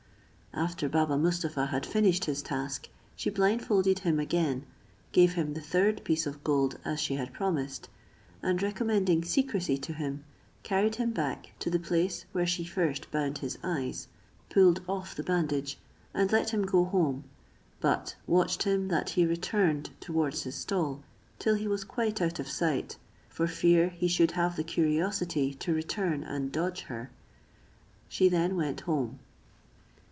After Baba Mustapha had finished his task, she blindfolded him again, gave him the third piece of gold as she had promised, and recommending secrecy to him, carried him back to the place where she first bound his eyes, pulled off the bandage, and let him go home, but watched him that he returned towards his stall, till he was quite out of sight, for fear he should have the curiosity to return and dodge her; she then went home.